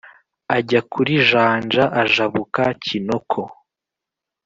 ajya kuri janja ajabuka kinoko